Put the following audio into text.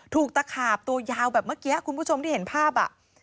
ตะขาบตัวยาวแบบเมื่อกี้คุณผู้ชมที่เห็นภาพอ่ะ